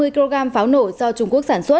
một trăm ba mươi kg pháo nổ do trung quốc giảm sát